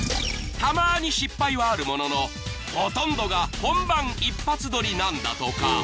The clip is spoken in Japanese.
［たまに失敗はあるもののほとんどが本番一発撮りなんだとか］